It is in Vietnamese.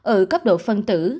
ở cấp độ phân tử